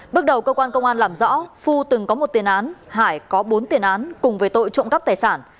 bước đầu cơ quan công an làm rõ phu từng có một tiền án hải có bốn tiền án cùng với tội trộm cắp tài sản